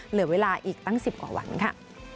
เหลือเวลาอีกตั้ง๑๐กว่าวันค่ะ